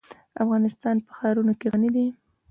افغانستان په ښارونه غني دی.